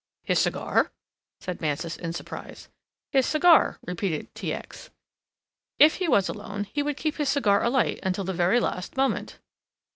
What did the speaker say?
"His cigar!" said Mansus in surprise. "His cigar," repeated T. X., "if he was alone, he would keep his cigar alight until the very last moment."